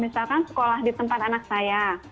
misalkan sekolah di tempat anak saya